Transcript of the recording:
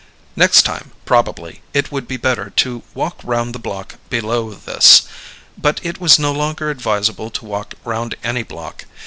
Next time, probably, it would be better to walk round the block below this. But it was no longer advisable to walk round any block.